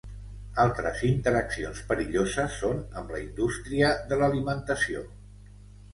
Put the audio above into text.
Altres interaccions perilloses són amb la indústria de l'alimentació.